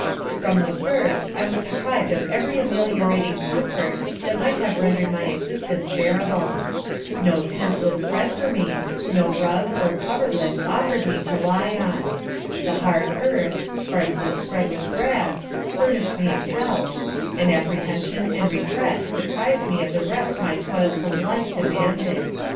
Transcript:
From the first, I was deprived of every ameliorat ing comfort that might have rendered my existence bearable. No tent was spread for me, no rug, or coverlet, offered me to lie on. The hard earth, sparsely spread with grass, furnished me a couch, and apprehension and regret deprived me of the rest my toilsome life demanded.